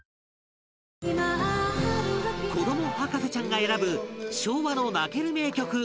子ども博士ちゃんが選ぶ昭和の泣ける名曲